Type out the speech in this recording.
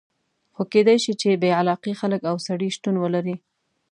خو کېدای شي چې بې علاقې خلک او سړي شتون ولري.